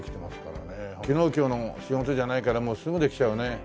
昨日今日の仕事じゃないからすぐできちゃうね。